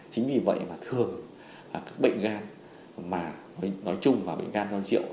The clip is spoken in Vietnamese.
chính vì vậy mà thường các bệnh gan nói chung là bệnh gan do rượu